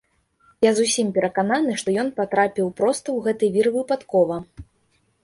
Я зусім перакананы, што ён патрапіў проста ў гэты вір выпадкова.